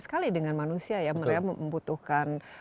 sekali dengan manusia ya mereka membutuhkan